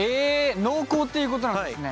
濃厚っていうことなんですね。